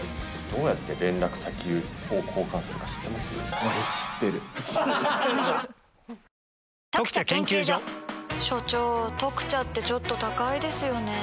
このあと、所長「特茶」ってちょっと高いですよね